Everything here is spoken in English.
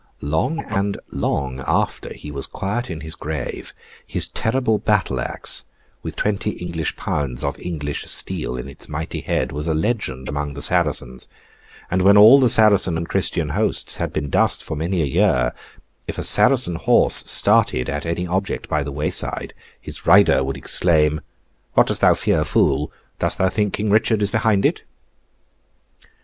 Long and long after he was quiet in his grave, his terrible battle axe, with twenty English pounds of English steel in its mighty head, was a legend among the Saracens; and when all the Saracen and Christian hosts had been dust for many a year, if a Saracen horse started at any object by the wayside, his rider would exclaim, 'What dost thou fear, Fool? Dost thou think King Richard is behind it?